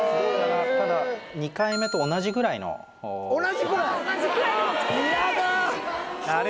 ただ２回目と同じぐらいの同じぐらい！？